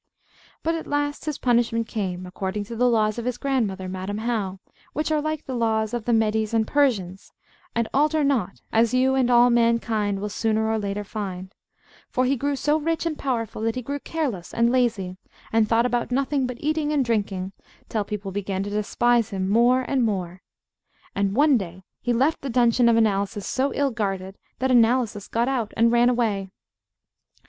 But at last his punishment came, according to the laws of his grandmother, Madam How, which are like the laws of the Medes and Persians, and alter not, as you and all mankind will sooner or later find; for he grew so rich and powerful that he grew careless and lazy, and thought about nothing but eating and drinking, till people began to despise him more and more. And one day he left the dungeon of Analysis so ill guarded, that Analysis got out and ran away.